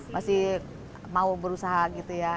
masih mau berusaha gitu ya